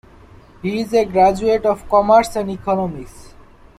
He is a graduate of Commerce and Economics.